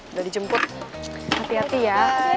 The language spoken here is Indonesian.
udah dijemput hati hati ya